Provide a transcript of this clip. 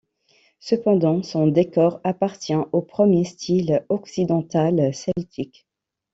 Cependant, son décor appartient au Premier style occidental celtique.